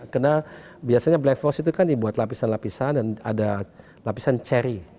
karena biasanya black forest itu kan dibuat lapisan lapisan dan ada lapisan ceri